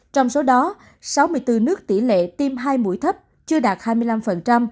trong số đó sáu mươi bốn nước tỷ lệ tiêm hai mũi thấp chưa đạt hai mươi năm